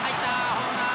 ホームラン！